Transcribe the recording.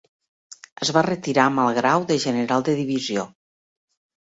Es va retirar amb el grau de general de divisió.